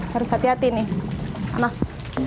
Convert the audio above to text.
harus hati hati nih mas